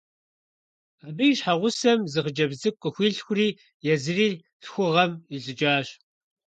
Абы и щхьэгъусэм зы хъыджэбз цӀыкӀу къыхуилъхури езыри лъхугъэм илӀыкӀащ.